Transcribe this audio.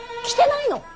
来てないの！